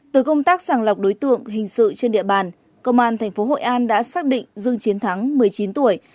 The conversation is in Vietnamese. từ công tác sàng lọc đối tượng hình sự trên địa bàn công an tp hội an đã xác định dương chiến thắng một mươi chín tuổi